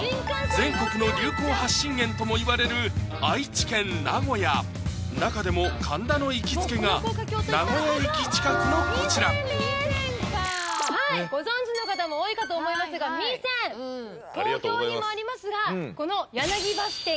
全国の流行発信源ともいわれる愛知県・名古屋中でも神田の行きつけが名古屋駅近くのこちらはいご存じの方も多いかと思いますが味仙！